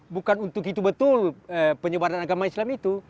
bukan untuk itu betul penyebaran agama islam itu